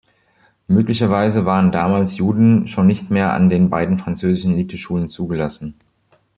Möglicherweise waren damals Juden schon nicht mehr an den beiden französischen Eliteschulen zugelassen.